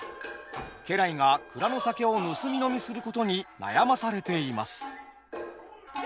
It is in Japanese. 家来が蔵の酒を盗み飲みすることに悩まされています。